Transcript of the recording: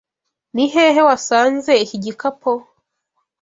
Ni hehe wasanze iki gikapo?